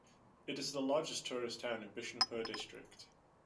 It is the largest tourist town in Bishnupur District.